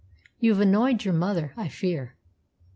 "You've annoyed your mother, I fear."